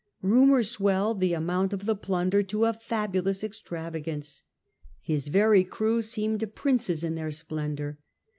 Rumour swelled the amount of the plimder to a fabulous extravagance. His very crew seemed princes in their splendour.